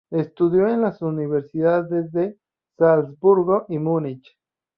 Estudió en las universidades de Salzburgo y Múnich.